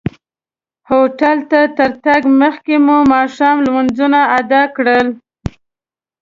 هوټل ته تر تګ مخکې مو ماښام لمونځونه ادا کړل.